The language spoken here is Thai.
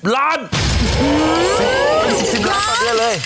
๑๐ล้านตอนนี้เลย